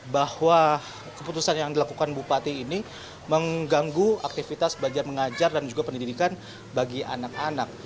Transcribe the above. bahwa keputusan yang dilakukan bupati ini mengganggu aktivitas belajar mengajar dan juga pendidikan bagi anak anak